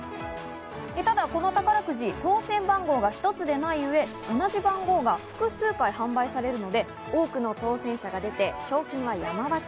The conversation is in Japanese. ただこの宝くじ、当選番号が一つでない上、同じ番号が複数回販売されるため、多くの当選者が出て賞金は山分け。